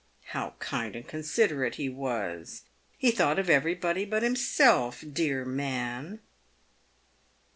How kind and considerate he was ; he thought of everybody but himself, dear man.